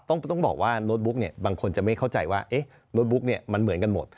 ต้องบอกว่าโน้ตบุ๊กเนี่ยบางคนจะไม่เข้าใจว่าโน้ตบุ๊กเนี่ยมันเหมือนกันหมด